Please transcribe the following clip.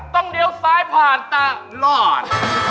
ต้องเลี้ยวซ้ายผ่านกับหลอด